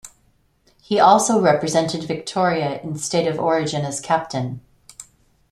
He also represented Victoria in State of Origin as captain.